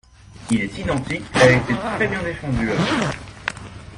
Il est identique et a été très bien défendu à l’instant.